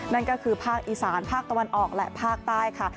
นั่นก็คือภาคอีสานภาคตะวันออกและภาคใต้ค่ะ